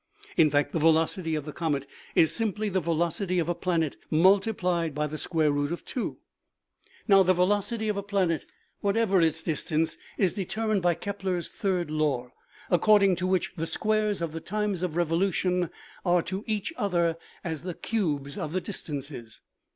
In fact the velocity of the comet is simply the velocity of a planet multiplied by the square root of two. Now 32 OMEGA. the velocity of a planet, whatever its distance, is deter mined by Kepler's third law, according to which the squares of the times of revolution are to each other as the cubes of the distances.